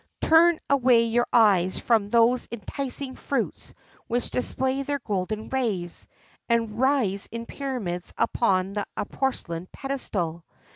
turn away your eyes from those enticing fruits which display their golden rays, and rise in pyramids upon a porcelain pedestal.